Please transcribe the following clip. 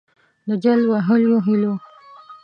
د جل وهلیو هِیلو